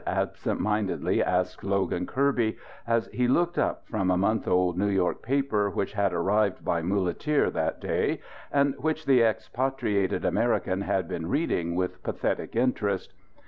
absent mindedly asked Logan Kirby, as he looked up from a month old New York paper which had arrived by muleteer that day and which the expatriated American had been reading with pathetic interest.